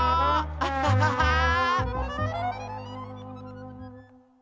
アッハハハー！